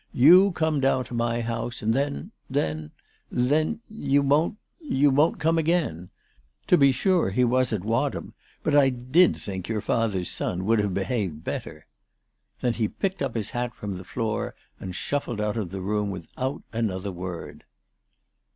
You come down to my house ; and then, then, then you won't, you won't come again ! To be sure he was at Wadham ; but I did think your father's son would have behaved better." Then he picked up his hat from the floor and shuflled out of the room without another word.